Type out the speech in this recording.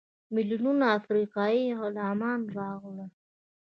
میلیونونه افریقایي غلامان راغلل.